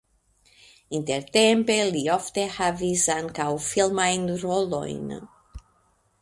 Intertempe li ofte havis ankaŭ filmajn rolojn.